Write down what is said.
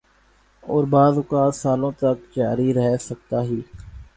اوربعض اوقات سالوں تک جاری رہ سکتا ہی۔